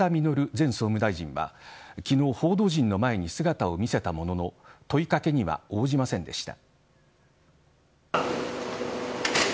前総務大臣は昨日報道陣の前に姿を見せたものの問いかけには応じませんでした。